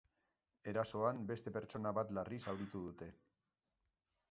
Erasoan beste pertsona bat larri zauritu dute.